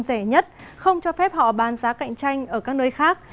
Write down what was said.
rẻ nhất không cho phép họ bán giá cạnh tranh ở các nơi khác